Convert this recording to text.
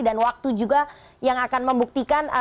dan waktu juga yang akan membuktikan